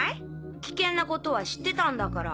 危険なことは知ってたんだから。